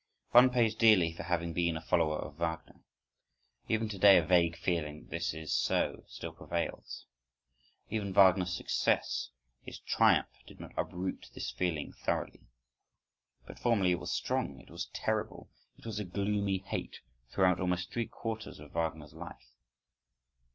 One pays dearly for having been a follower of Wagner. Even to day a vague feeling that this is so, still prevails. Even Wagner's success, his triumph, did not uproot this feeling thoroughly. But formerly it was strong, it was terrible, it was a gloomy hate throughout almost three quarters of Wagner's life.